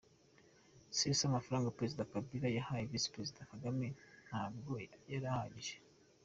c.Ese amafaranga President Kabila yahaye Visi president kagame ntabwo yari ahagije?